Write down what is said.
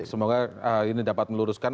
semoga ini dapat meluruskan